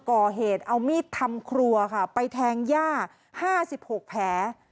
ก่อเหตุเอามีดทำครัวค่ะไปแทงย่าห้าสิบหกแพ้